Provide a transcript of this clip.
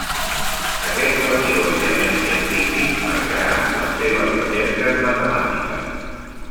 Aquest relatiu aïllament científic marcarà les seves recerques matemàtiques.